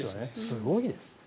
すごいです。